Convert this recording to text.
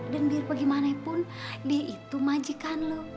dan biar apa gimana pun dia itu majikan lu